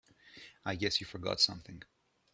I guess you forgot something.